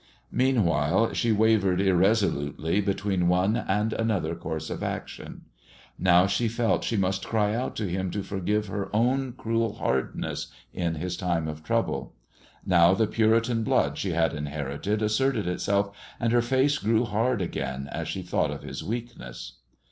Meanwhile she wavered irresolutely between one and another course of action. Now she felt she must cry out to him to forgive her own cruel hardness in his time of trouble; now the Puritan blood she had inherited asserted itself, and her face grew hard again as she thought of his weakness.